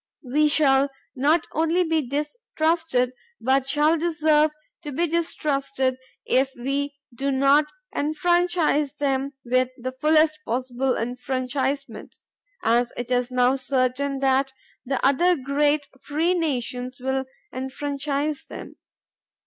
We shall not only be distrusted but shall deserve to be distrusted if we do not enfranchise them with the fullest possible enfranchisement, as it is now certain that the other great free nations will enfranchise them.